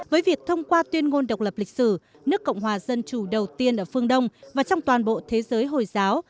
với việc thông qua tuyên ngôn độc lập lịch sử nước cộng hòa dân chủ đầu tiên ở phương đông và trong toàn bộ thế giới hồi giáo